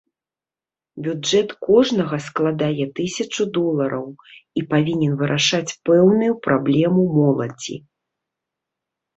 Бюджэт кожнага складае тысячу долараў і павінен вырашаць пэўную праблему моладзі.